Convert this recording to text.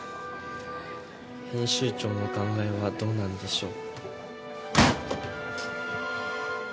編集長のお考えはどうなんでしょう？